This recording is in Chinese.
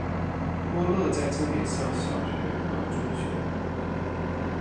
穆勒在这里上小学和中学。